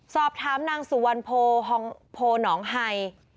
สอบถามนางสุวรรณโพหนองไฮ